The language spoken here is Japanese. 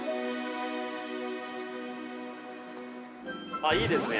◆あっ、いいですね。